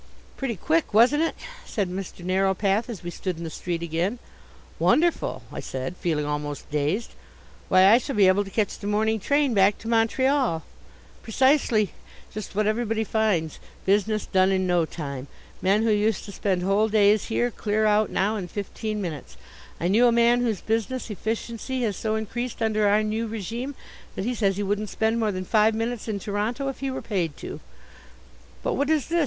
"Pretty quick, wasn't it?" said Mr. Narrowpath, as we stood in the street again. "Wonderful!" I said, feeling almost dazed. "Why, I shall be able to catch the morning train back again to Montreal " "Precisely. Just what everybody finds. Business done in no time. Men who used to spend whole days here clear out now in fifteen minutes. I knew a man whose business efficiency has so increased under our new regime that he says he wouldn't spend more than five minutes in Toronto if he were paid to." "But what is this?"